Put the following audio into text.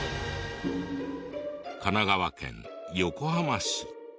神奈川県横浜市。